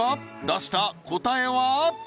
出した答えは？